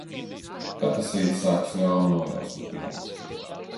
Katrs rīts sākas ļaunu nojausmu pilns.